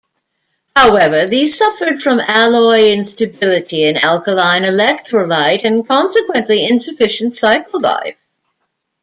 However, these suffered from alloy instability in alkaline electrolyte and consequently insufficient cycle life.